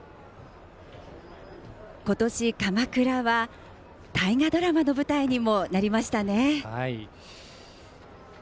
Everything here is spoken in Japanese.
今年、鎌倉は大河ドラマの舞台にもなりましたね。